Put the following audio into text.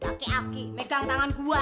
nanti ipadah di kataknya organisasi yang agula